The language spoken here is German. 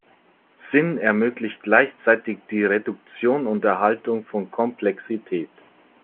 Sinn ermöglicht gleichzeitig die Reduktion und Erhaltung von Komplexität.